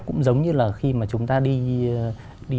cũng giống như là khi mà chúng ta đi